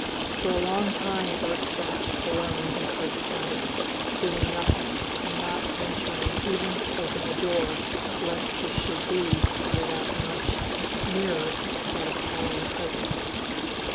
For a long time Bert sat alone in Kurt's cabin, doing nothing and not venturing even to open the door lest he should be by that much nearer that appalling presence.